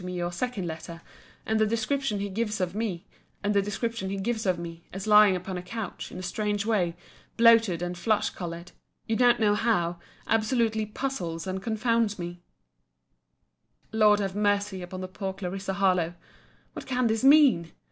But your account of your messenger's delivering to me your second letter, and the description he gives of me, as lying upon a couch, in a strange way, bloated, and flush coloured; you don't know how, absolutely puzzles and confounds me. Lord have mercy upon the poor Clarissa Harlowe! What can this mean!